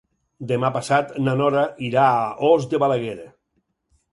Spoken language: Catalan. Demà passat na Nora irà a Os de Balaguer.